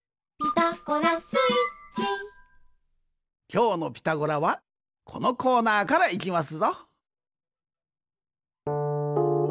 きょうの「ピタゴラ」はこのコーナーからいきますぞ。